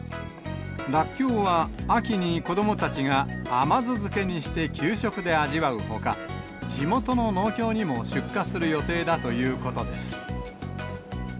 ラッキョウは秋に子どもたちが甘酢漬けにして給食で味わうほか、地元の農協にも出荷する予定だということです。